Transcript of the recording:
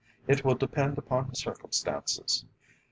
"It will depend upon circumstances.